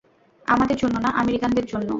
আমাদের জন্য না, আমেরিকানদের জন্য।